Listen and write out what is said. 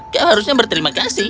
kau harusnya berterima kasih